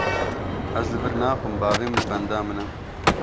Ez li vir naxwim, bavê min li benda min e.